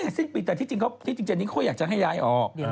เบ๊ะสิ้นปิดแต่ที่จริงเจนนี่เขาอยากจะให้ย้ายออก